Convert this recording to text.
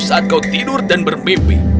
saat kau tidur dan bermimpi